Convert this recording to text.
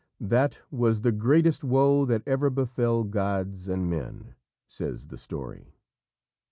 "That was the greatest woe that ever befell gods and men," says the story.